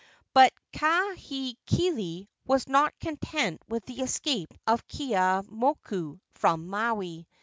But Kahekili was not content with the escape of Keeaumoku from Maui.